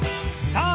［さあ